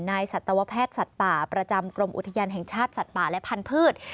สัตวแพทย์สัตว์ป่าประจำกรมอุทยานแห่งชาติสัตว์ป่าและพันธุ์